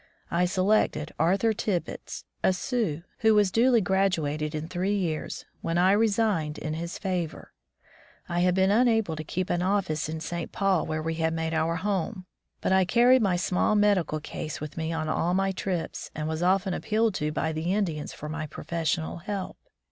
I selected Arthur Tibbetts, a Sioux, who was duly graduated in three years, when I resigned in his favor. I had been unable to keep an oflSce in St. Paul, where we made our home, but I carried my small medical 140 Civilization as Preached and Practised case with me on all my trips, and was often appealed to by the Indians for my profes sional help.